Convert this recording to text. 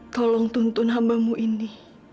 tolong tuntun hambamu ini